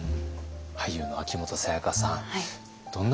俳優の秋元才加さん